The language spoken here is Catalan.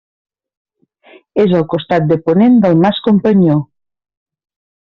És al costat de ponent del Mas Companyó.